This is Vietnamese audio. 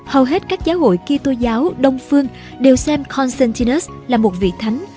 hầu hết các giáo hội kỹ tố giáo đông phương đều xem constantinus là một vị thánh